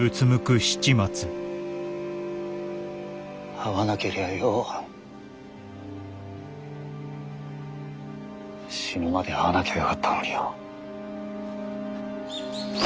会わなけりゃよ死ぬまで会わなきゃよかったのによ。